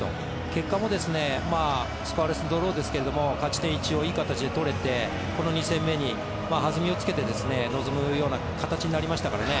結果もスコアレスドローですけど勝ち点１をいい形で取れてこの２戦目に弾みをつけて臨むような形になりましたからね。